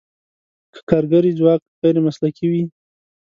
که کارګري ځواک غیر مسلکي وي.